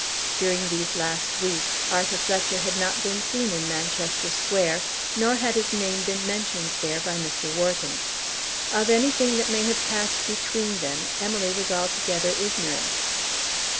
During these last weeks Arthur Fletcher had not been seen in Manchester Square; nor had his name been mentioned there by Mr. Wharton. Of anything that may have passed between them Emily was altogether ignorant.